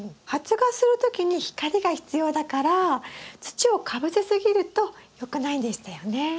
発芽する時に光が必要だから土をかぶせすぎるとよくないんでしたよね。